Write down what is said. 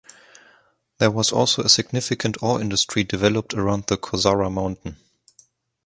There was also a significant ore industry developed around the Kozara Mountain.